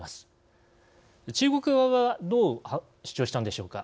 中国側はどう主張したのでしょうか。